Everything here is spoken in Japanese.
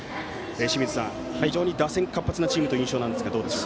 清水さん、非常に打線が活発なチームという印象ですが。